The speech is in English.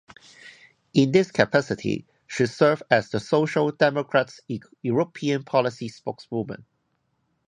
In this capacity, she served as the Social Democrat's European policy spokeswoman.